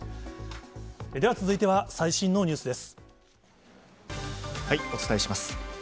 では、続いては最新のニューお伝えします。